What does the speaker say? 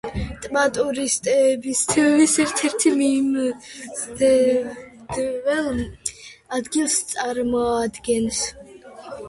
ტბა ტურისტებისთვის ერთ-ერთ მიმზიდველ ადგილს წარმოადგენს.